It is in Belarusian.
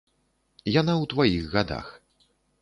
Яна ў тваіх гадах.